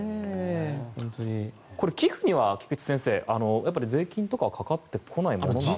これ寄付には菊地先生税金とかはかかってこないものですか。